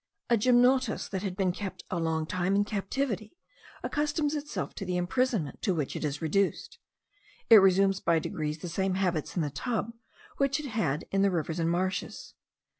A gymnotus that has been kept a long time in captivity, accustoms itself to the imprisonment to which it is reduced; it resumes by degrees the same habits in the tub, which it had in the rivers and marshes.